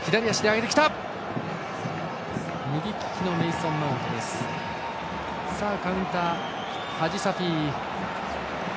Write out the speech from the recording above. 右利きのメイソン・マウントです。